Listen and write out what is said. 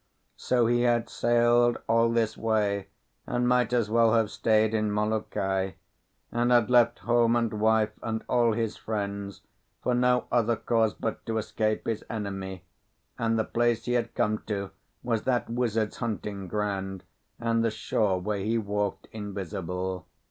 So he had sailed all this way, and might as well have stayed in Molokai; and had left home and wife and all his friends for no other cause but to escape his enemy, and the place he had come to was that wizard's hunting ground, and the shore where he walked invisible.